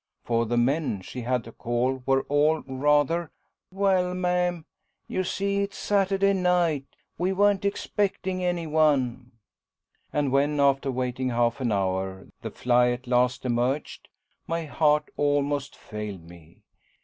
For the "men" she had to call were all rather "well, ma'am, you see it's Saturday night. We weren't expecting any one." And when, after waiting half an hour, the fly at last emerged, my heart almost failed me.